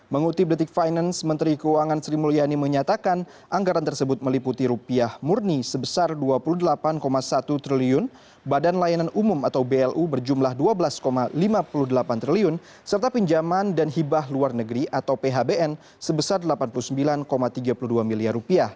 mengutip detik finance menteri keuangan sri mulyani menyatakan anggaran tersebut meliputi rupiah murni sebesar rp dua puluh delapan satu triliun badan layanan umum atau blu berjumlah rp dua belas lima puluh delapan triliun serta pinjaman dan hibah luar negeri atau phbn sebesar rp delapan puluh sembilan tiga puluh dua miliar